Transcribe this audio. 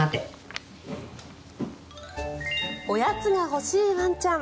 おやつが欲しいワンちゃん。